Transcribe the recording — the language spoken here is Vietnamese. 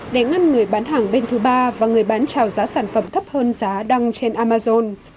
để ngăn người bán hàng bên thứ ba và người bán trào giá sản phẩm thấp hơn giá đăng trên amazon